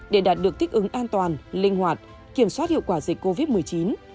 để đạt được thích ứng an toàn linh hoạt kiểm soát hiệu quả dịch covid một mươi chín